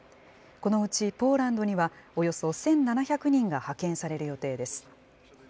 このうちポーランドにはおよそ１７００人が派遣される予定です。